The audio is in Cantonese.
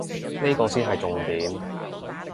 呢個先係重點